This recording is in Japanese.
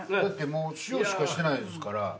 塩しかしてないですから。